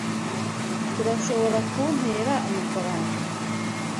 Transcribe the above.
Turashoborakuntera amafaranga?